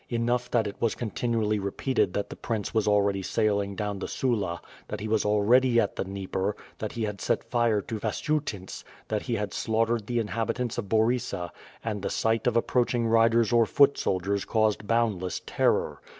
p]nough that it was continually repeated that the prince was already sailing down the Sula, that he was already at the Dnieper, that he had set fire to Vasiutynts, that he had slaughtered the inhabitants of Borysa, and the sight of ap proaching riders or foot soldiers caused boundless terror.